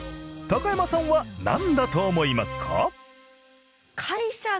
高山さんはなんだと思いますか？